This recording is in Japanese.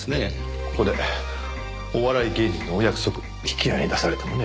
ここでお笑い芸人のお約束引き合いに出されてもね。